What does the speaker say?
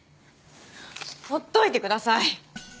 ほっといてください。